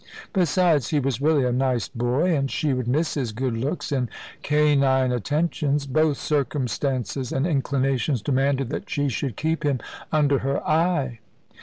Besides, he was really a nice boy, and she would miss his good looks and canine attentions. Both circumstances and inclinations demanded that she should keep him under her eye.